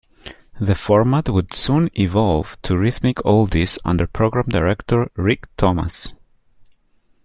The format would soon evolve to Rhythmic Oldies under program director Rick Thomas.